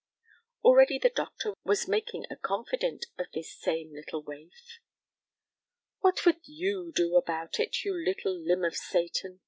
Already the doctor was making a confidant of this same little waif. "What would you do about it, you little limb of Satan?"